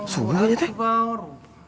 subuh aja tkt